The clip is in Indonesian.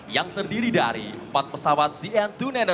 yang terdiri dari empat pesawat cn dua ratus sembilan puluh lima